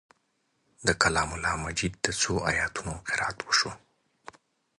د کلام الله مجید د څو آیتونو قرائت وشو.